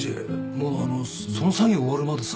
もうあのその作業終わるまでさ